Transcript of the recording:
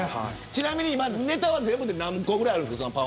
ちなみにネタは全部で何個ぐらいあるんですか。